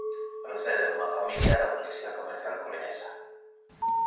Procede dunha familia da burguesía comercial coruñesa.